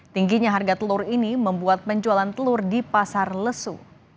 tingginya harga telur ini membuat penjualan telur di pasar lesu